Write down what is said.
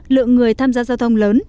lượng người tham gia giao thông lớn